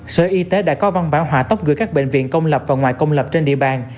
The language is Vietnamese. sở y tế đã có văn bản hòa tốc gửi các bệnh viện công lập và ngoài công lập trên địa bàn